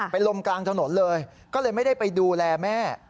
เป็นลมกลางถนนเลยก็เลยไม่ได้ไปดูแลแม่